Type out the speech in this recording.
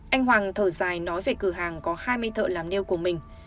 anh hoàng thở dài nói về cửa hàng có hai mươi thợ làm nêu của mình